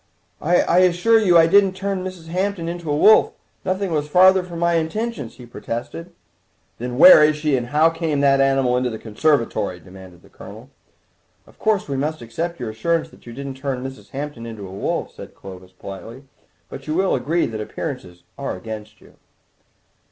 "I assure you I didn't turn Mrs. Hampton into a wolf; nothing was farther from my intentions," he protested. "Then where is she, and how came that animal into the conservatory?" demanded the Colonel. "Of course we must accept your assurance that you didn't turn Mrs. Hampton into a wolf," said Clovis politely, "but you will agree that appearances are against you."